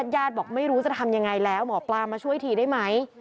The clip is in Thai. ญาติบอกไม่รู้จะทำยังไงแล้วหมอปลามาช่วยทีได้ไหม